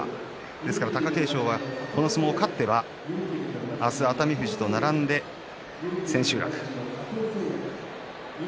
ですから貴景勝はこの相撲を勝てば明日、熱海富士と並んで千秋楽へ。